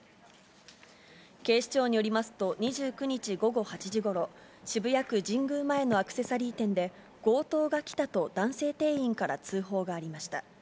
警視庁によりますと、２９日午後８時ごろ、渋谷区神宮前のアクセサリー店で、強盗が来たと男性店員から通報がありました。